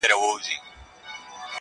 • هغه له میني جوړي پرندې به واپس راسي,,